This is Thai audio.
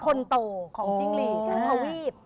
คนโตของจริงตาวีป